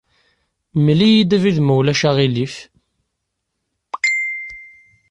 Mel-iyi-d abrid, ma ulac aɣilif.